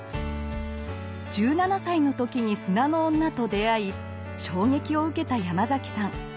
１７歳の時に「砂の女」と出会い衝撃を受けたヤマザキさん。